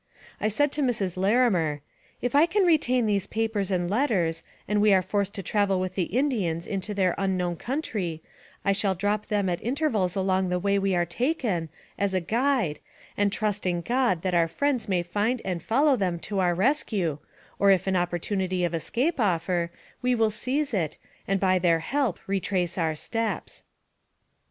I said to Mrs. Larimer, " If I can retain these papers and letters, and we are forced to travel with the Indians into their unknown country, I shall drop them at intervals along the way we are taken, as a guide, and trust in God that our friends may find and follow them to our rescue, or if an opportunity of escape offer, we will seize it, and by their help retrace our steps."